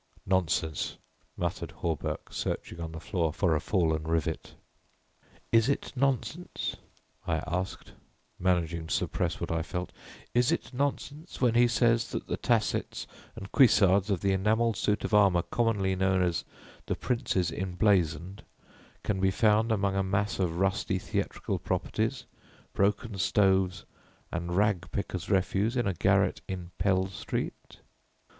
"Nonsense," muttered Hawberk, searching on the floor for a fallen rivet. "Is it nonsense," I asked, managing to suppress what I felt, "is it nonsense when he says that the tassets and cuissards of the enamelled suit of armour commonly known as the 'Prince's Emblazoned' can be found among a mass of rusty theatrical properties, broken stoves and ragpicker's refuse in a garret in Pell Street?"